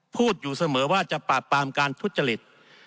พูดอยู่เสมอว่าจะปราบปรามการทุจริต